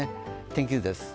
天気図です。